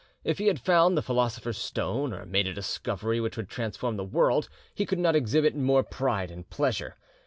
If he had found the philosopher's stone, or made a discovery which would transform the world, he could not exhibit more pride and pleasure.